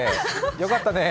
よかったね。